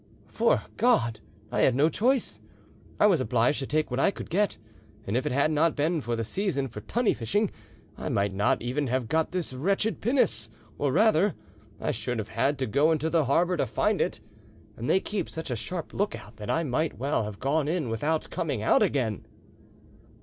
"'Fore God! I had no choice. I was obliged to take what I could get, and if it had not been the season for tunny fishing I might not even have got this wretched pinnace, or rather I should have had to go into the harbour to find it, and they keep such a sharp lookout that I might well have gone in without coming out again."